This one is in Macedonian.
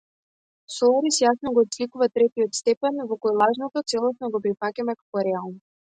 Соларис јасно го отсликува третиот степен, во кој лажното целосно го прифаќаме како реално.